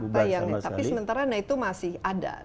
tapi sementara nah itu masih ada